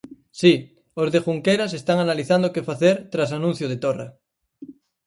Si, os de Junqueras están analizando que facer tras o anuncio de Torra.